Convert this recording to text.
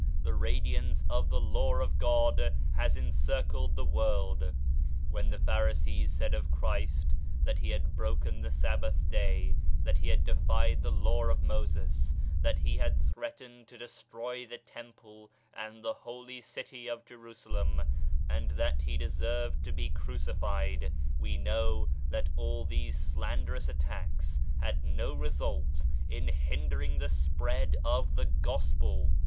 The Radiance of the Law of God has encircled the world I When the Pharisees said of Christ that He had broken the* Sabbath Day, that He had defied the Law of Moses, that He had threatened to destroy the Temple and the Holy City of Jerusalem, and that He deserved to be Crucified We know that all these slanderous attacks had no result in hindering the spread of the Gospel